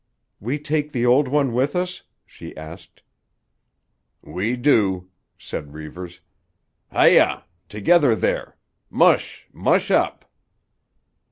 "We take the old one with us?" she asked. "We do," said Reivers. "Hi yah! Together there! Mush, mush up!"